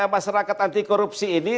masyarakat anti korupsi ini